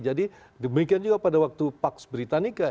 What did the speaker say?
jadi demikian juga pada waktu paks britannica